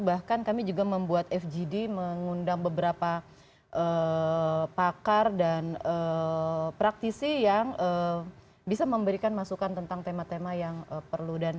bahkan kami juga membuat fgd mengundang beberapa pakar dan praktisi yang bisa memberikan masukan tentang tema tema yang perlu